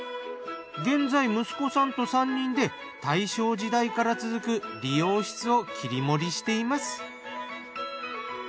現在息子さんと３人で大正時代から続く理容室を切り盛りしています。